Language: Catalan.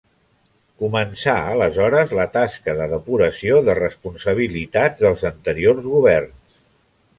Començà aleshores la tasca de depuració de responsabilitats dels anteriors governs.